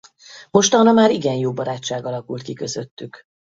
Mostanra már igen jó barátság alakult ki közöttük.